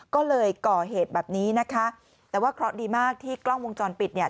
ก็เลยก่อเหตุแบบนี้นะคะแต่ว่าเคราะห์ดีมากที่กล้องวงจรปิดเนี่ย